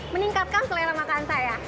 meningkatkan selera makan saya